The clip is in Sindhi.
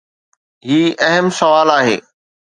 هي اهم سوال آهي.